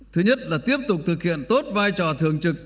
thứ nhất là tiếp tục thực hiện tốt vai trò thường trực